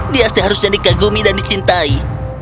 dia seharusnya dikagumi dan dicintai